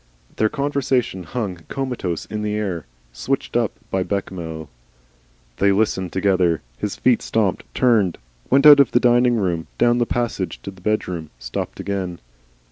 Their conversation hung comatose in the air, switched up by Bechamel. They listened together. His feet stopped. Turned. Went out of the diningroom. Down the passage to the bedroom. Stopped again.